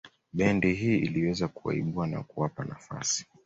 Bendi hii iliweza kuwaibua na kuwapa nafasi